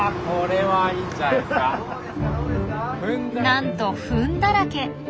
なんとフンだらけ！